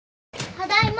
ただいま。